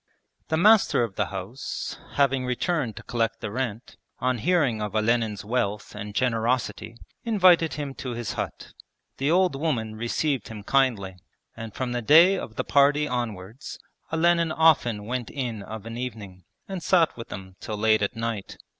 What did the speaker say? The master of the house having returned to collect the rent, on hearing of Olenin's wealth and generosity invited him to his hut. The old woman received him kindly, and from the day of the party onwards Olenin often went in of an evening and sat with them till late at night.